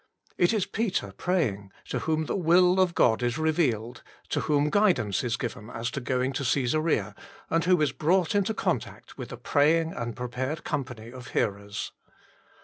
It is Peter praying, to whom the will of God is revealed, to whom guidance is given as to going to Caesarea, and who is brought into contact with a praying and prepared company of hearers.